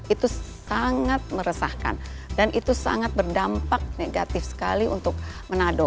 itu sangat meresahkan dan itu sangat berdampak negatif sekali untuk menado